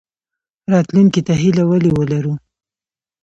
راتلونکي ته هیله ولې ولرو؟